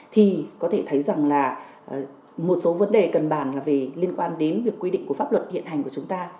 thì có thể thấy rằng là một số vấn đề cần bàn là về liên quan đến việc quy định của pháp luật hiện hành của chúng ta